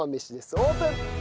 オープン！